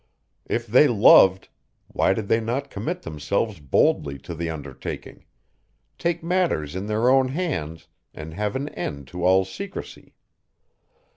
If they loved, why did they not commit themselves boldly to the undertaking, take matters in their own hands and have an end to all secrecy?